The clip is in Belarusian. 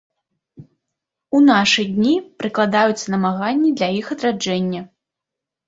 У нашы дні прыкладаюцца намаганні для іх адраджэння.